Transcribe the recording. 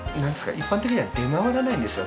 一般的には出回らないんですよ